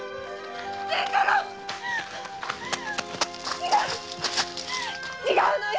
違う違うのよ！